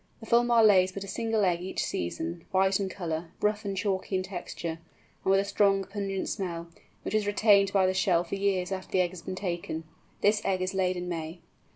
The Fulmar lays but a single egg each season, white in colour, rough and chalky in texture, and with a strong pungent smell, which is retained by the shell for years after the egg has been taken. This egg is laid in May.